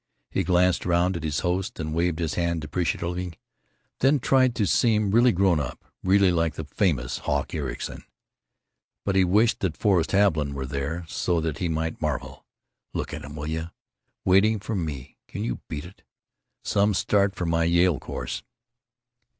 He glanced round at his host and waved his hand deprecatingly, then tried to seem really grown up, really like the famous Hawk Ericson. But he wished that Forrest Haviland were there so that he might marvel: "Look at 'em, will you! Waiting for me! Can you beat it? Some start for my Yale course!"